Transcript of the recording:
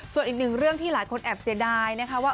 ส่วนอีกหนึ่งเรื่องที่หลายคนแอบเสียดายนะคะว่า